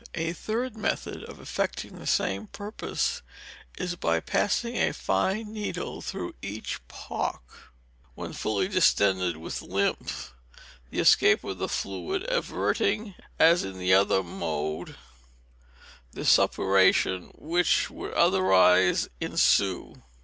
A Third Method of effecting the same purpose is by passing a fine needle through each poc, when fully distended with lymph; the escape of the fluid averting, as in the other mode, the suppuration which would otherwise ensue.